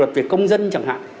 luật việc công dân chẳng hạn